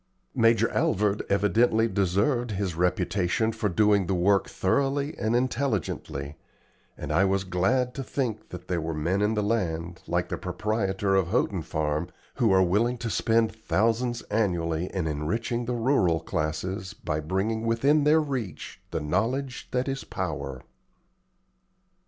Major Alvord evidently deserved his reputation for doing the work thoroughly and intelligently, and I was glad to think that there were men in the land, like the proprietor of Houghton Farm, who are willing to spend thousands annually in enriching the rural classes by bringing within their reach the knowledge that is power.